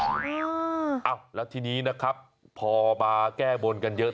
อ้าวแล้วทีนี้นะครับพอมาแก้บนกันเยอะ